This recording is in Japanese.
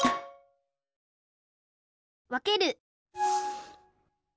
わける